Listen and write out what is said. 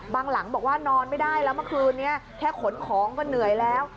หลังบอกว่านอนไม่ได้แล้วเมื่อคืนนี้แค่ขนของก็เหนื่อยแล้ว